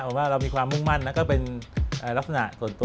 ผมว่าเรามีความมุ่งมั่นแล้วก็เป็นลักษณะส่วนตัว